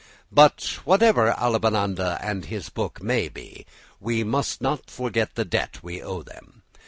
But whatever Avellaneda and his book may be, we must not forget the debt we owe them.